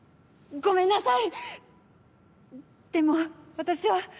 ごめんなさい！